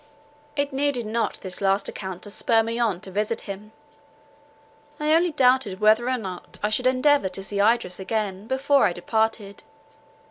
It needed not this last account to spur me on to visit him. I only doubted whether or not I should endeavour to see Idris again, before I departed.